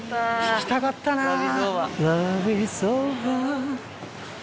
聴きたかったなぁ。